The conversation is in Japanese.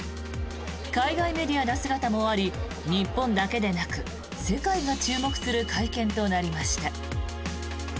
海外メディアの姿もあり日本だけでなく世界が注目する会見となりました。